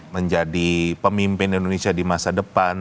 menjadi pemimpin indonesia di masa depan